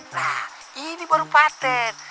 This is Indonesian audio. nah ini baru patent